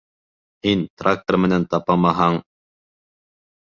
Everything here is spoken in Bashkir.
Һин трактор менән тапамаһаң...